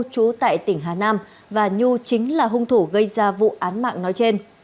chú tại tỉnh hà nam và nhu chính là hung thủ gây ra vụ án mạng nói trên